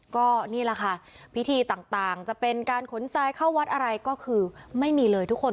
ก็นี่แหละค่ะพิธีต่างจะเป็นการขนทรายเข้าวัดอะไรก็คือไม่มีเลยทุกคน